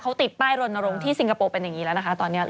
เขาติดป้ายรณรงค์ที่สิงคโปร์เป็นอย่างนี้แล้วนะคะตอนนี้